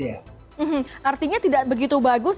artinya tidak begitu bagus